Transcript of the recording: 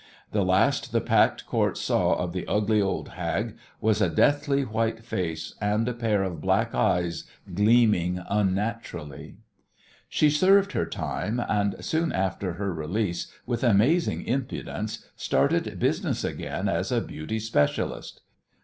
The last the packed court saw of the ugly old hag was a deathly white face and a pair of black eyes gleaming unnaturally. She served her time, and soon after her release, with amazing impudence, started business again as a "beauty specialist."